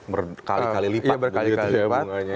berkali kali lipat begitu ya bunganya